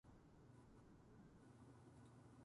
みんな協力してー